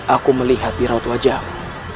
aku melihat di raut wajahmu